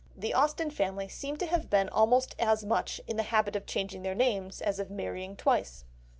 The Austen family seem to have been almost as much in the habit of changing their names as of marrying twice.